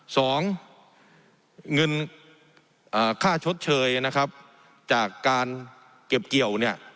สองเงินอ่าค่าชดเชยนะครับจากการเก็บเกี่ยวเนี่ย